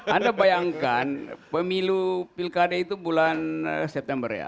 anda bayangkan pemilu pilkada itu bulan september ya